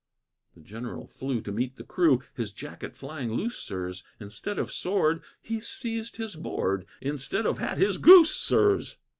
The General flew to meet the crew, His jacket flying loose, sirs; Instead of sword, he seized his board; Instead of hat, his goose, sirs.